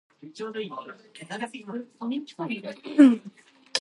The crystal-clear waters are perfect for snorkeling and swimming.